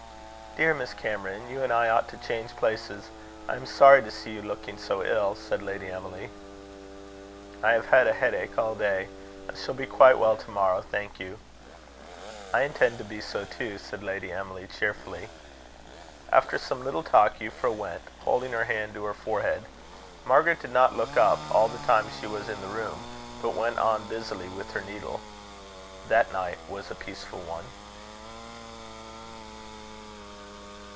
"Dear Miss Cameron, you and I ought to change places. I am sorry to see you looking so ill," said Lady Emily. "I have had a headache all day. I shall be quite well to morrow, thank you." "I intend to be so too," said Lady Emily, cheerfully. After some little talk, Euphra went, holding her hand to her forehead. Margaret did not look up, all the time she was in the room, but went on busily with her needle. That night was a peaceful one.